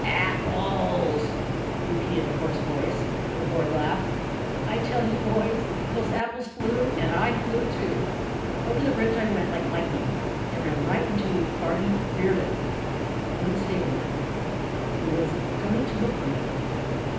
"'Apples!' repeated a hoarse voice, with a horrid laugh. [Illustration: "'THERE IT IS,' SAYS BARNEY."] "I tell you, boys, those apples flew, and I flew too. Over the bridge I went like lightning, and ran right into Barney Reardon, one of the stable men, who was coming to look for me.